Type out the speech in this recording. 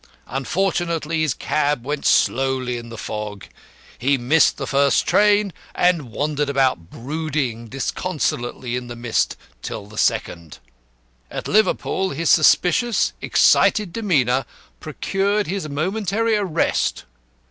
Unfortunately his cab went slowly in the fog, he missed the first train, and wandered about brooding disconsolately in the mist till the second. At Liverpool his suspicious, excited demeanour procured his momentary arrest.